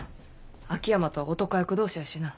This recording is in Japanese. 秋山とは男役同士やしな。